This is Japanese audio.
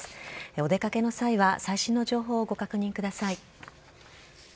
お出かけの際は、最新の情報をご確認ください。